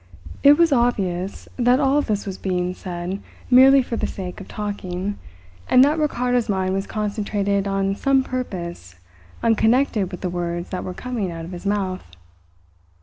It was obvious that all this was being said merely for the sake of talking, and that Ricardo's mind was concentrated on some purpose unconnected with the words that were coming out of his mouth.